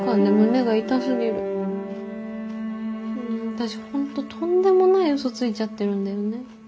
私本当とんでもない嘘ついちゃってるんだよね。